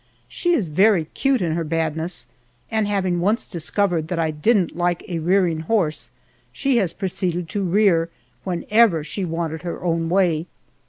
She is very cute in her badness, and having once discovered that I didn't like a rearing horse, she has proceeded to rear whenever she wanted her own way.